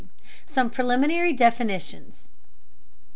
SOME PRELIMINARY DEFINITIONS.